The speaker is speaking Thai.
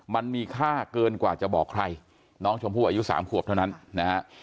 มันมีค่าเกินกว่าจะบอกใครน้องชมพู่อายุ๓ขวบเท่านั้นนะฮะ